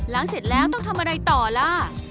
เสร็จแล้วต้องทำอะไรต่อล่ะ